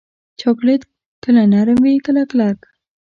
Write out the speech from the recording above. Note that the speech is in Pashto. چاکلېټ کله نرم وي، کله کلک.